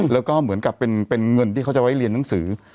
แล้วก็เหมือนกับเป็นเงินที่เขาจะไว้เรียนหนังสือ